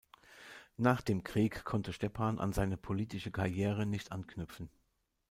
Nach dem Krieg konnte Stepan an seine politische Karriere nicht anknüpfen.